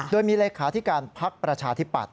โดยมีเลขาธิการพักประชาธิปัตย